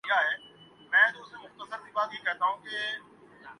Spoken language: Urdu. دباو میں آ جاتا ہوں